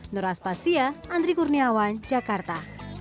nur aspasya andri kurniawan jakarta